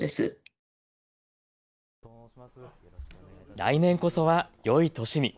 来年こそはよい年に。